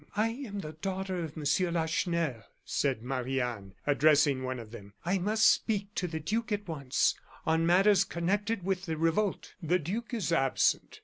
"I am the daughter of Monsieur Lacheneur," said Marie Anne, addressing one of them. "I must speak to the duke at once, on matters connected with the revolt." "The duke is absent."